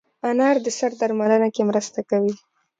انار د سر درملنه کې مرسته کوي.